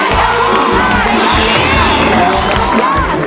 ร้องได้ให้ร้อง